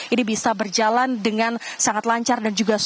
ini bisa berjalan dengan sangat lancar dan juga sukses